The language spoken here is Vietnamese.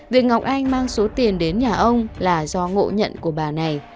việc ngọc anh mang số tiền đến nhà ông là do ngộ nhận của bà này